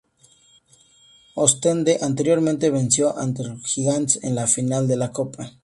Oostende anteriormente venció Antwerp Giants en la final de la Copa.